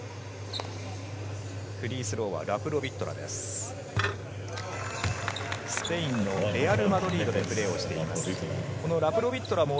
フリースローはラプロビットラです。